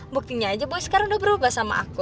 buktinya aja pokoknya sekarang udah berubah sama aku